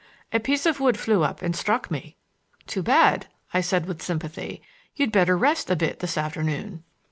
A piece of wood flew up and struck me." "Too bad!" I said with sympathy. "You'd better rest a bit this afternoon."